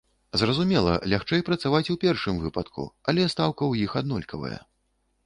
Зразумела, лягчэй працаваць у першым выпадку, але стаўка ў іх аднолькавая.